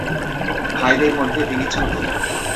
ভাইদের মধ্যে তিনি ছোট।